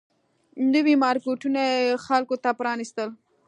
نوي مارکیټونه یې خلکو ته پرانيستل